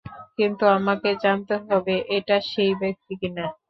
কিন্তু আমাকে জানতে হবে এটা সেই ব্যাক্তি কিনা।